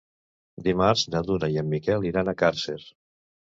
Dimarts na Duna i en Miquel iran a Càrcer.